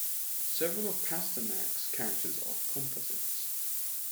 Several of Pasternak's characters are composites.